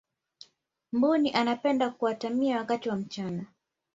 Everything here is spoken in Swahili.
mbuni anapenda kuatamia wakati wa mchana